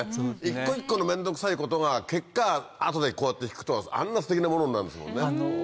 一個一個の面倒くさいことが結果後でこうやって引くとあんなステキなものになるんですもんね。